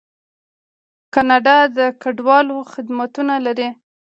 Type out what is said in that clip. کاناډا د کډوالو خدمتونه لري.